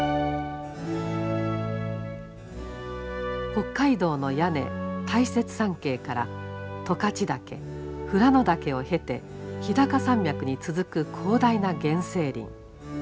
北海道の屋根大雪山系から十勝岳富良野岳を経て日高山脈に続く広大な原生林。